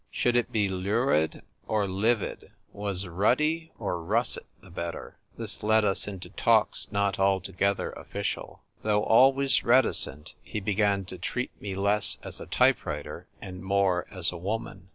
Should it be lurid or livid ? was ruddy or russet the better? This led us into talks not altogether official. Though always reticent, he began to treat me less as a type writer and more as a woman.